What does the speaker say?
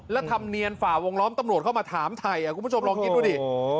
แล้วทำเนียนฝ่าวงล้อมตำรวจเข้ามาถามไทยคุณผู้ชมลองคิดดูดิ